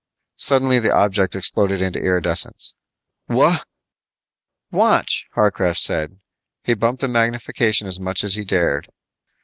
Suddenly, the object exploded into iridescence. "What " "Watch," Harcraft said. He bumped the magnification as much as he dared.